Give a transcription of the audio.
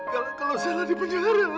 yang selalu ngejaga sheila